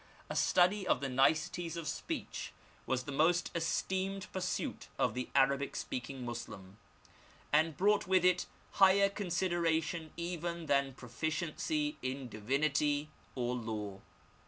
A study of the niceties of speech was the most esteemed pursuit of the Arabic speaking Moslem, and brought with it higher consideration even than proficiency in divinity or law.